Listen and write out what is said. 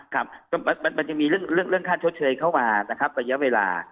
ครับมันจะมีเรื่องค่าชดเชยเข้ามานะครับระยะเวลา